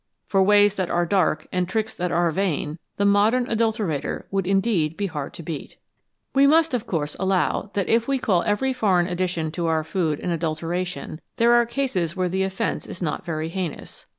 " For ways that are dark, and tricks that are vain," the modern adulterator would indeed be hard to beat. We must, of course, allow that if we call every foreign addition to our food an adulteration, there are cases where the offence is not very heinous.